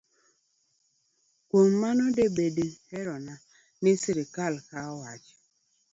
Kuom mano, de bed herona ni sirkal okaw weche